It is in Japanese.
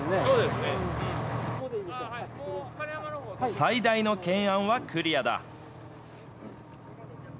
最大の懸案はクリアだ。